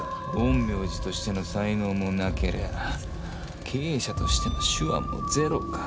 陰陽師としての才能もなけりゃ経営者としての手腕もゼロか。